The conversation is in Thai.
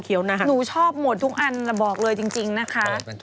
เยอะเยอะมากหนูชอบหมดทุกอันบอกเลยจริงนะคะ